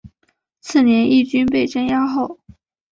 次年义军被镇压后。